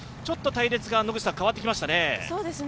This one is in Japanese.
ちょっと隊列が変わってきましたね。